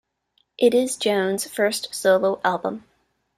It is Jones' first solo album.